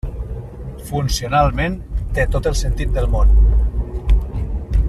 Funcionalment té tot el sentit del món.